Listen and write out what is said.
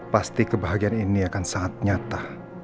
pasti kebahagiaan ini akan sangat nyata